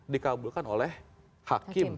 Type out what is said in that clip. dikabulkan oleh hakim